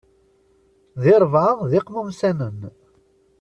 Di rebɛa d iqmumsanen.